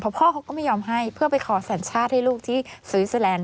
พ่อเขาก็ไม่ยอมให้เพื่อไปขอสัญชาติให้ลูกที่สวิสเตอร์แลนด